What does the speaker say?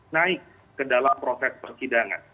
naik ke dalam proses persidangan